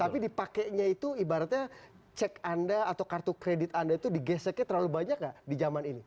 tapi dipakainya itu ibaratnya cek anda atau kartu kredit anda itu digeseknya terlalu banyak gak di zaman ini